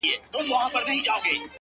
ته مي کله هېره کړې يې ـ